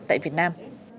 tại việt nam